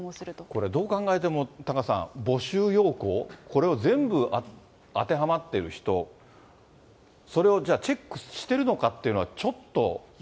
これどう考えてもタカさん、募集要項、これを全部当てはまってる人、それをじゃあ、チェックしてるのかっていうのは、ちょっと。